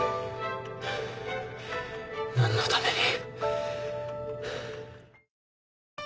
何のために。